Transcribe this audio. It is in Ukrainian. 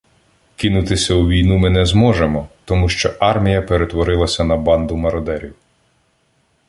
Кинутися у війну ми не зможемо, тому що армія перетворилася на банду мародерів.